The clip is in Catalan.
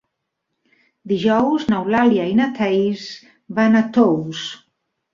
Dijous n'Eulàlia i na Thaís van a Tous.